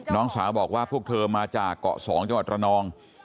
น้องสาวบอกว่าพวกเธอมาจากเกาะสองจังหวัดระนอง